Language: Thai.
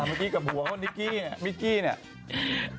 เมื่อกี้กับหัวของนิกกี้เนี่ย